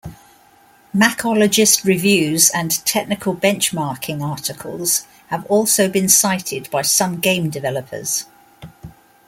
Macologist reviews and technical benchmarking articles have also been cited by some game developers.